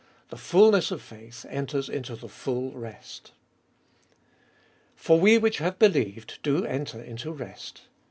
The fulness of faith enters into the full rest. For we which have believed do enter into rest.